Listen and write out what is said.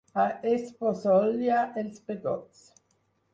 A Esposolla, els pegots.